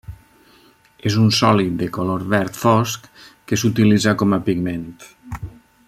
És un sòlid de color verd fosc que s'utilitza com a pigment.